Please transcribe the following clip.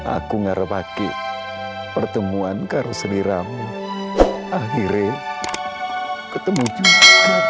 aku mengharapkan pertemuan kamu sendiri akhirnya ketemu juga